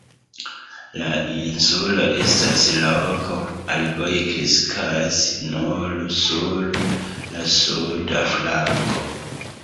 La insulo estas roka, arboj kreskas nur sur la suda flanko.